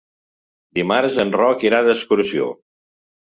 Dimarts en Roc irà d'excursió.